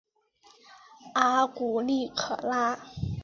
阿古利可拉。